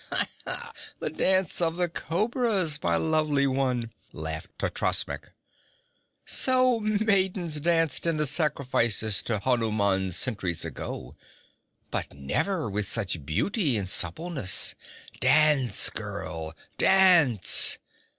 'The Dance of the Cobras, my lovely one!' laughed Totrasmek. 'So maidens danced in the sacrifice to Hanuman centuries ago but never with such beauty and suppleness. Dance, girl, dance!